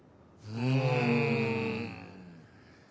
うん。